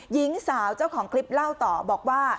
หญิงสาวเจ้าของคลิปเล่าต่อบอกว่า